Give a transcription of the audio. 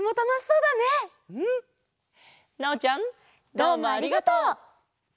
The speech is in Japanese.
どうもありがとう！